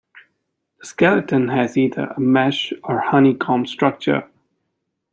The skeleton has either a mesh or honeycomb structure.